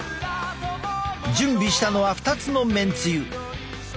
準備したのは２つのめんつゆ。